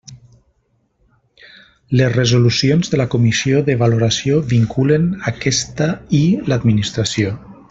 Les resolucions de la comissió de valoració vinculen aquesta i l'Administració.